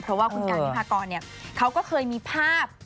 เพราะว่าคุณการพี่พากรเนี่ยเขาก็เคยมีภาพ